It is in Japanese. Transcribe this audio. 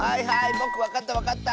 ぼくわかったわかった！